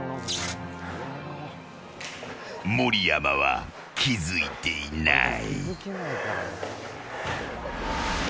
盛山は気づいていない。